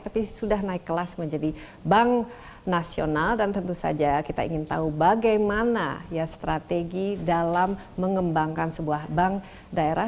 tapi sudah naik kelas menjadi bank nasional dan tentu saja kita ingin tahu bagaimana ya strategi dalam mengembangkan sebuah bank daerah